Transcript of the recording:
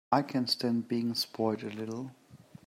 I can stand being spoiled a little.